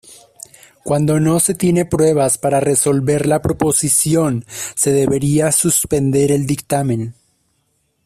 Cuando no se tiene pruebas para resolver la proposición, se debería suspender el dictamen.